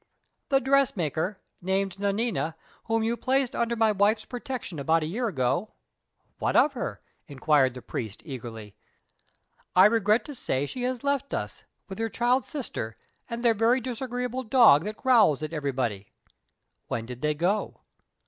"The dressmaker, named Nanina, whom you placed under my wife's protection about a year ago " "What of her?" inquired the priest eagerly. "I regret to say she has left us, with her child sister, and their very disagreeable dog, that growls at everybody." "When did they go?"